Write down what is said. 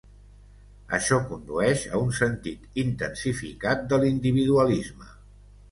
Això condueix a un sentit intensificat de l'individualisme.